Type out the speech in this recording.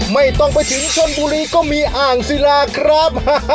ไม่ต้องไปถึงชนบุรีก็มีอ่างศิลาครับ